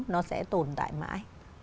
nó sẽ tồn tại mãi